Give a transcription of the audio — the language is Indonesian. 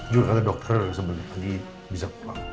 juga kata dokter sebelum pagi bisa pulang